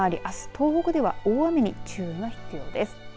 東北では大雨に注意が必要です。